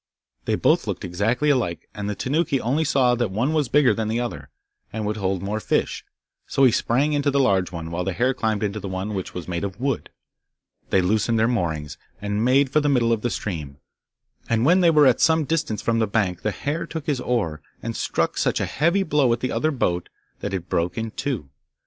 They both looked exactly alike, and the Tanuki only saw that one was bigger than the other, and would hold more fish, so he sprang into the large one, while the hare climbed into the one which was made of wood. They loosened their moorings, and made for the middle of the stream, and when they were at some distance from the bank, the hare took his oar, and struck such a heavy blow at the other boat, that it broke in two.